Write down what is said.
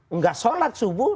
enggak sholat subuh